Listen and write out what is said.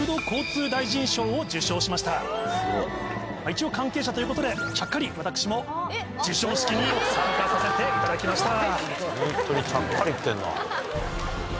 一応関係者ということでちゃっかり私も授賞式に参加させていただきました。